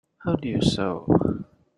How do you sew?